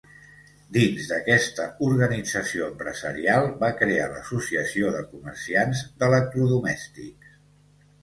Dins d'aquesta organització empresarial va crear l'Associació de Comerciants d'Electrodomèstics.